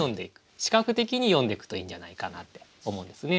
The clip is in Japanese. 視覚的に詠んでいくといいんじゃないかなって思うんですね。